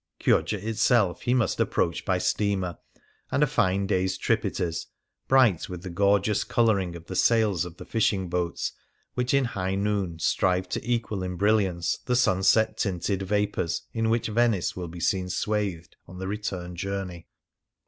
Chioggia itself he must approach by steamer, and a fine day's trip it is, bright with the gorgeous colouring of the sails of the fishing boats, which in high noon strive to equal in 107 Things Seen in Venice brilliance the sunset tinted vapours in which Venice will be seen swathed on the return journey.